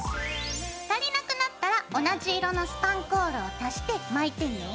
足りなくなったら同じ色のスパンコールを足して巻いてね。